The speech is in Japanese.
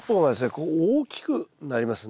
こう大きくなりますね。